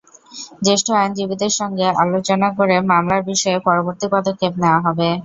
জ্যেষ্ঠ আইনজীবীদের সঙ্গে আলোচনা করে মামলার বিষয়ে পরবর্তী পদক্ষেপ নেওয়া হবে।